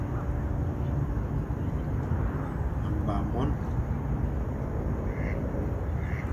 Mba mon.